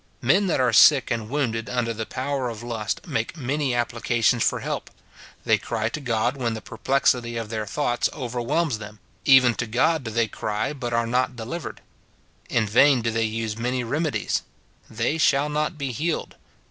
Men that are sick and wounded under the power of lust make many applications for help ; they cry to God when the perplexity of their thoughts overwhelms them, even to God do they cry, but are not delivered ; in vain do they use many remedies, — "they shall not be healed."